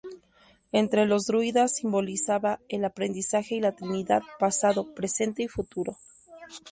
Entre los druidas simbolizaba el aprendizaje, y la trinidad "Pasado", "Presente" y "Futuro".